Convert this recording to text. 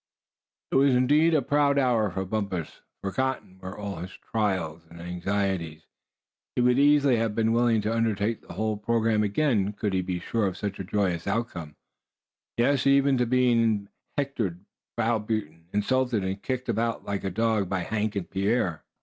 It was indeed a proud hour for Bumpus. Forgotten were all his trials and anxieties. He would easily have been willing to undertake the whole programme again could he be sure of such a joyous outcome yes, even to being hectored, browbeaten, insulted, and kicked about like a dog, by Hank and Pierre.